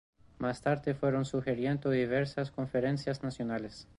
Más tarde fueron surgiendo diversas conferencias nacionales.